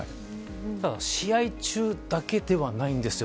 ただ試合中だけではないんですよ。